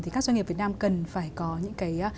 thì các doanh nghiệp việt nam cần phải có những cái